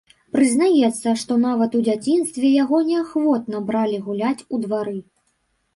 Прызнаецца, што нават у дзяцінстве яго неахвотна бралі гуляць у двары.